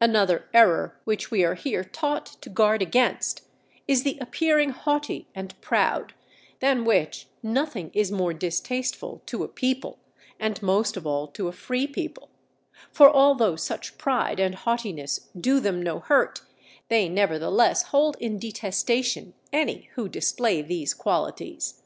Another error which we are here taught to guard against, is the appearing haughty and proud, than which nothing is more distasteful to a people, and most of all to a free people; for although such pride and haughtiness do them no hurt, they nevertheless hold in detestation any who display these qualities.